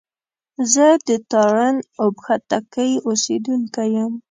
زه د تارڼ اوبښتکۍ اوسېدونکی يم